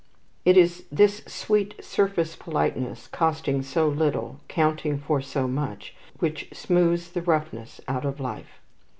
It is this sweet surface politeness, costing so little, counting for so much, which smooths the roughness out of life.